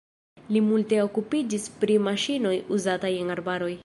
Li multe okupiĝis pri maŝinoj uzataj en arbaroj.